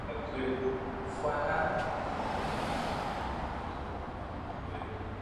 Kufuatana na uainishaji wa lugha kwa ndani zaidi, Kilele iko katika kundi la Kichadiki.